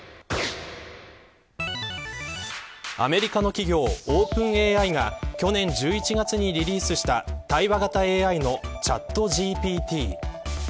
アメリカの企業ＯｐｅｎＡＩが去年１１月にリリースした対話型ＡＩのＣｈａｔＧＰＴ。